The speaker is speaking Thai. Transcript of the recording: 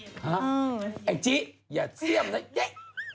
อือไอ้จิอย่าเซี่ยมนะเย้